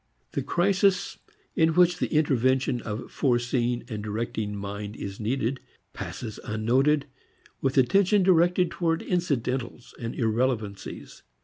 The crisis in which the intervention of foreseeing and directing mind is needed passes unnoted, with attention directed toward incidentals and irrelevancies.